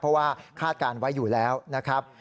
เพราะว่าคาดการณ์ไว้อยู่แล้วนะครับ